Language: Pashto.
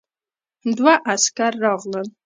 دوه عسکر راغلل.